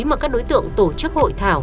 mà các đối tượng tổ chức hội thảo